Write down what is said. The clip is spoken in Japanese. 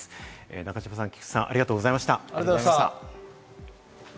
中島さん、菊地さん、ありがとうございました。